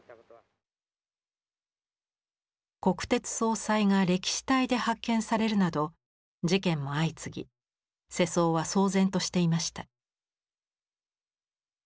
国鉄総裁が轢死体で発見されるなど事件も相次ぎ世相は騒然としていました。